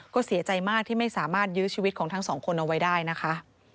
ก็เสียใจมากที่ไม่สามารถยื้อชีวิตของทั้งสองคนเอาไว้ได้นะคะ